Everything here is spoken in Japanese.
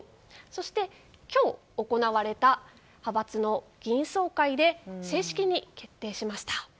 そして、今日行われた派閥の議員総会で正式に決定しました。